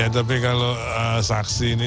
tapi kalau saksi ini